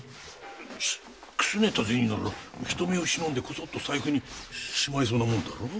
くすねた銭なら人目を忍んでこそっと財布にしまいそうなもんだろう？